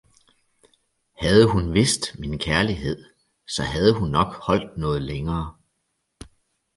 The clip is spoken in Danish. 'Havde hun vidst min kærlighed, så havde hun nok holdt noget længere!